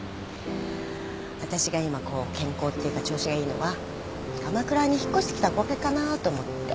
私が今こう健康っていうか調子がいいのは鎌倉に引っ越してきたおかげかなと思って。